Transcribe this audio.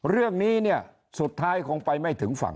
เรื่องนี้เนี่ยสุดท้ายคงไปไม่ถึงฝั่ง